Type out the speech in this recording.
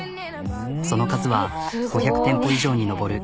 その数は５００店舗以上に上る。